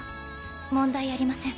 問題ありません。